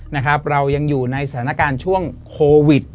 นะครับเรายังอยู่ในสถานการณ์ช่วงโควิด